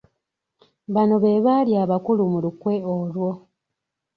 Bano be baali abakulu mu lukwe olwo.